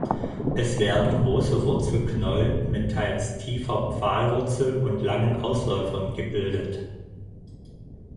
Es werden große Wurzelknollen mit teils tiefer Pfahlwurzel und langen Ausläufern gebildet.